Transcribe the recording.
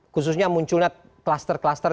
khususnya munculnya kluster kluster